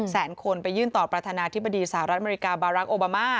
แสนคนไปยื่นต่อประธานาธิบดีสหรัฐอเมริกาบารักษ์โอบามา